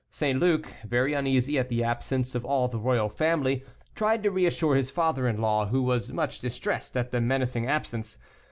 St. Luc, very uneasy at the absence of all the royal family, tried to reassure his father in law, who was much distressed at this menacing absence.